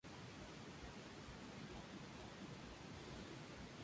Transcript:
Además, publicó un libro titulado "Recetas de amor", de Editorial Sudamericana.